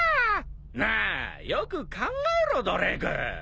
なあよく考えろドレーク。